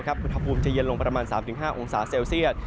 อุณหภูมิจะเย็นลงประมาณ๓๕องศาเซลเซียต